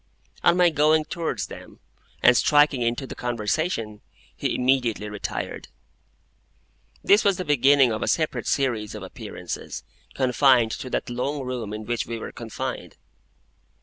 On my going towards them, and striking into the conversation, he immediately retired. This was the beginning of a separate series of appearances, confined to that long room in which we were confined.